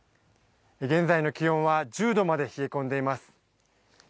現在の気温は１０度まで冷え込んでいます。